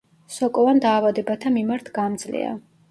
სოკოვან დაავადებათა მიმართ გამძლეა.